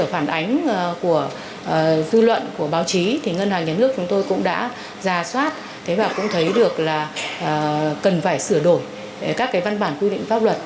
phản ánh của dư luận của báo chí thì ngân hàng nhà nước chúng tôi cũng đã ra soát và cũng thấy được là cần phải sửa đổi các văn bản quy định pháp luật